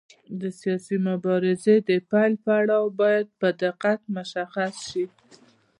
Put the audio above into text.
د سیاسي مبارزې د پیل پړاو باید په دقت مشخص شي.